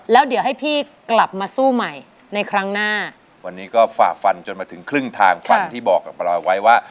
แล้วเดี๋ยวให้พี่กลับมาสู้ใหม่ในครั้งหน้าวันนี้ก็ฝ่าฟันจนมาถึงครึ่งทางฟันที่บอกกับเราไว้ว่า